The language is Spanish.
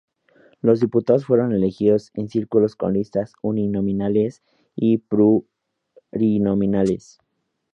Los diputados fueron elegidos en círculos con listas uninominales y plurinominales.